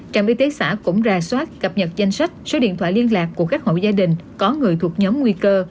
trạm y tế xã cũng ra soát cập nhật danh sách số điện thoại liên lạc của các hộ gia đình có người thuộc nhóm nguy cơ